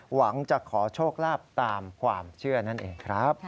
หวังจะขอโชคลาภตามความเชื่อนั่นเองครับ